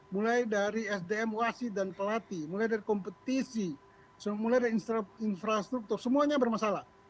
mulai dari sdm wasit dan pelatih mulai dari kompetisi mulai dari infrastruktur semuanya bermasalah